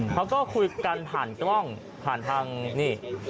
เขาก็คุยกันผ่านกล้องผ่านทางนี่